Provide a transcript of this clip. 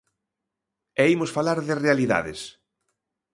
E imos falar de realidades.